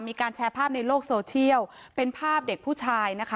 มีการแชร์ภาพในโลกโซเชียลเป็นภาพเด็กผู้ชายนะคะ